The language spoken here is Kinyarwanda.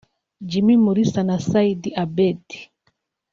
Jimmy Mulisa na Saidi Abedi